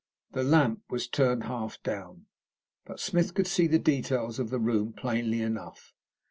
The lamp was turned half down, but Smith could see the details of the room plainly enough.